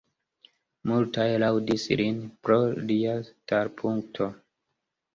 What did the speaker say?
Multaj laŭdis lin pro lia starpunkto.